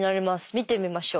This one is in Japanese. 見てみましょう。